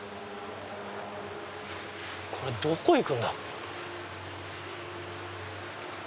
これどこ行くんだ？